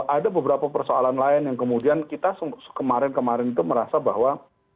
ada beberapa persoalan lain yang kemudian kita kemarin kemarin itu merasa bahwa